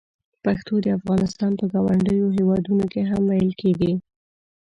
پښتو د افغانستان په ګاونډیو هېوادونو کې هم ویل کېږي.